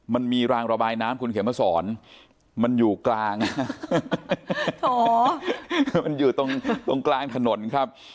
มันมีรางระบายน้ำคุณเขียนมาสอนมันอยู่กลางมันอยู่ตรงตรงกลางถนนครับ